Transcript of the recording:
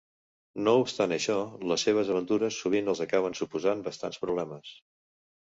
No obstant això, les seves aventures sovint els acaben suposant bastants problemes.